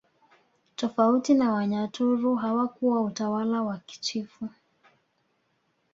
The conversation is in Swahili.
Tofauti na Wanyaturu hawakuwa utawala wa kichifu